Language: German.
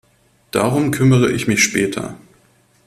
Darum kümmere ich mich später.